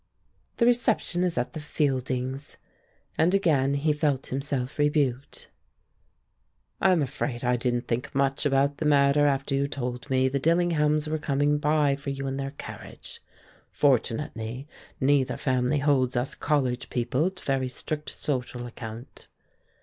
"The reception is at the Fieldings';" and again he felt himself rebuked. "I'm afraid I didn't think much about the matter after you told me the Dillinghams were coming by for you in their carriage. Fortunately neither family holds us college people to very strict social account."